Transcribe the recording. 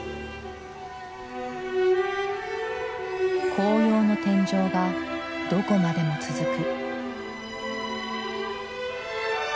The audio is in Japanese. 紅葉の天井がどこまでも続く。